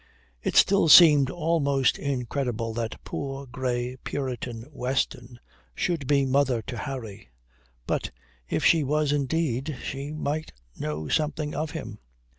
It still seemed almost incredible that poor, grey, puritan Weston should be mother to Harry. But if she was indeed, she might know something of him.